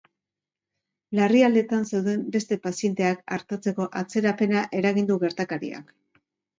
Larrialdietan zeuden beste pazienteak artatzeko atzerapena eragin du gertakariak.